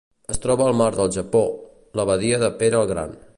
Es troba al mar del Japó: la badia de Pere el Gran.